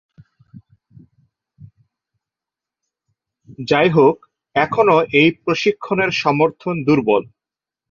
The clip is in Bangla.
যাইহোক, এখনও এই প্রশিক্ষণের সমর্থন দুর্বল।